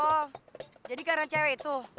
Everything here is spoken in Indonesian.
oh jadi karena cewek itu